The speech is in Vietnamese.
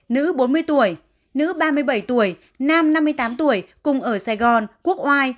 nữ bốn mươi tuổi nữ ba mươi bảy tuổi nam năm mươi tám tuổi cùng ở sài gòn quốc oai